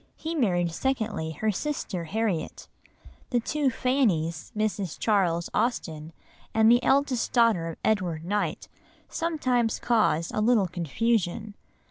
He married secondly her sister Harriet. The two Fannies, Mrs. Charles Austen and the eldest daughter of Edward Knight, sometimes cause a little confusion.